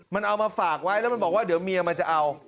มันเอามาฝากไว้แล้วมันบอกว่าเดี๋ยวเมียมันจะเอา